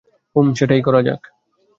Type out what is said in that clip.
হুম, সেটাই করা যাক!